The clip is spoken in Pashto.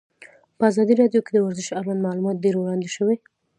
په ازادي راډیو کې د ورزش اړوند معلومات ډېر وړاندې شوي.